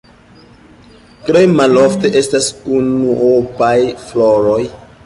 Tre malofte estas unuopaj floroj.